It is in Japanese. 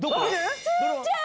つーちゃん。